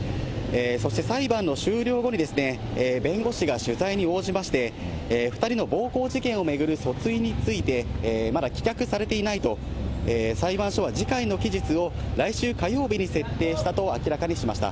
そして裁判の終了後にですね、弁護士が取材に応じまして、２人の暴行事件を巡る訴追について、まだ棄却されていないと、裁判所は次回の期日を来週火曜日に設定したと明らかにしました。